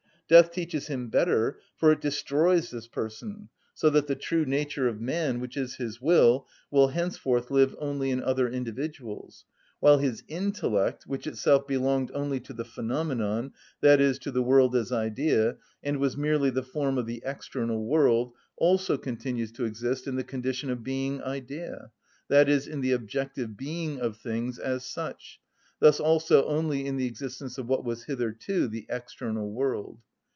Death teaches him better, for it destroys this person, so that the true nature of man, which is his will, will henceforth live only in other individuals; while his intellect, which itself belonged only to the phenomenon, i.e., to the world as idea, and was merely the form of the external world, also continues to exist in the condition of being idea, i.e., in the objective being of things as such, thus also only in the existence of what was hitherto the external world.